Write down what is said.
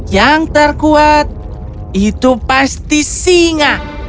yang terkuat itu pasti singa